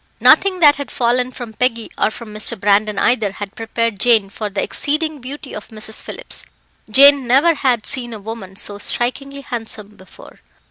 Nothing that had fallen from Peggy, or from Mr. Brandon either, had prepared Jane for the exceeding beauty of Mrs. Phillips. Jane never had seen a woman so strikingly handsome before.